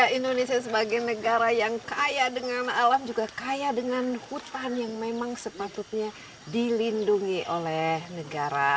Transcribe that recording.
indonesia sebagai negara yang kaya dengan alam juga kaya dengan hutan yang memang sepatutnya dilindungi oleh negara